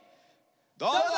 どうぞ！